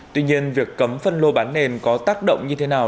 tuy nhiên việc cấm phân lô bán nền có tác động như thế nào